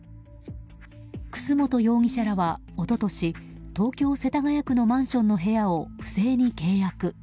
楠本容疑者らは一昨年東京・世田谷区のマンションの部屋を不正に契約。